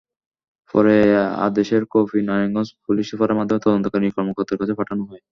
পরে আদেশের copy Narayanganj police সুপারের মাধ্যমে তদন্তকারী কর্মকর্তার কাছে পাঠানো হয়।